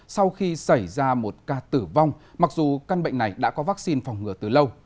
sau khi xảy ra một ca tử vong mặc dù căn bệnh này đã có vaccine phòng ngừa từ lâu